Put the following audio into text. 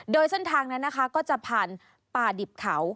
โดยเส้นทางนั้นนะคะก็จะผ่านป่าดิบเขา